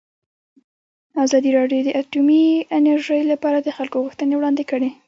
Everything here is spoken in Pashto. ازادي راډیو د اټومي انرژي لپاره د خلکو غوښتنې وړاندې کړي.